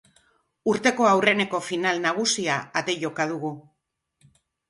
Urteko aurreneko final nagusia ate joka dugu.